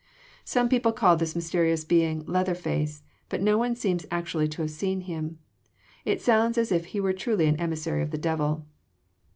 Some people call this mysterious being ’Leatherface,’ but no one seems actually to have seen him. It sounds as if he were truly an emissary of the devil."